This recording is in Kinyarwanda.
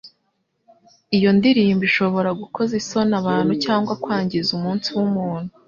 Iyo ndirimbo ishobora gukoza isoni abantu cyangwa kwangiza umunsi wumuntu